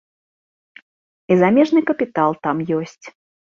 І замежны капітал там ёсць.